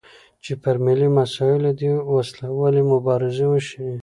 چې پر ملي مسایلو دې وسلوالې مبارزې وشي.